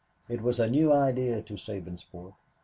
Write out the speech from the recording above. It was a new idea to Sabinsport.